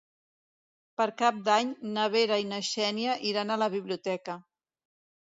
Per Cap d'Any na Vera i na Xènia iran a la biblioteca.